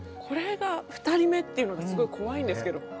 これが２人目っていうのがすごい怖いんですけど。